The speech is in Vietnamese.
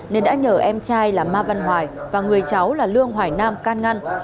nên đã nhờ em trai là ma văn hoài và người cháu là lương hoài nam can ngăn